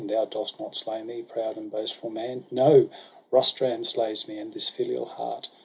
Thou dost not slay me, proud and boastful man! No ! Rustum slays me, and this filial heart.